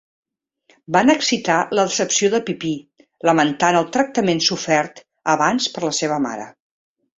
Van excitar la decepció de Pipí lamentant el tractament sofert abans per la seva mare.